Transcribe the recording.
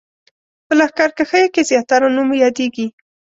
په لښکرکښیو کې زیاتره نوم یادېږي.